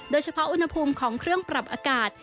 โดยเฉพาะอุณหภูมิของเครื่องปรับอากาศ